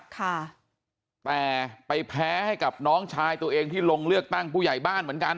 ค่ะแต่ไปแพ้ให้กับน้องชายตัวเองที่ลงเลือกตั้งผู้ใหญ่บ้านเหมือนกัน